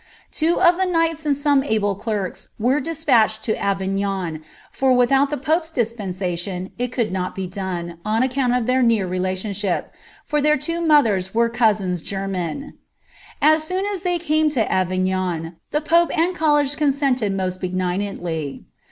Two of the knights and some able clerks were des 1 to Arignon ; for without the pope's dispensation it could not f, on account of their near relationship, for their two mothers nisins german. As soon as they came to Arignon, the pope and consented most benignantly.